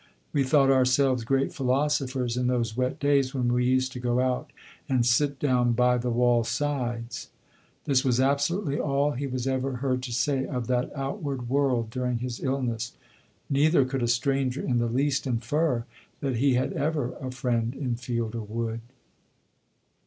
We thought ourselves great philosophers in those wet days when we used to go out and sit down by the wall sides.' This was absolutely all he was ever heard to say of that outward world during his illness, neither could a stranger in the least infer that he had ever a friend in field or wood."